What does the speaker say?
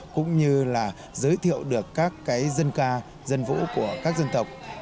cũng như là giới thiệu được các cái dân ca dân vũ của các dân tộc